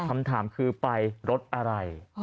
คำถามคือไปรถอะไร